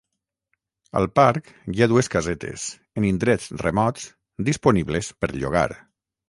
Al parc hi ha dues casetes, en indrets remots, disponibles per llogar.